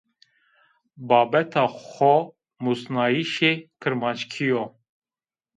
Babeta xo musnayîşê kirmanckî yo